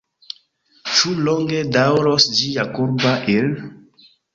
Ĉu longe daŭros ĝia kurba ir’?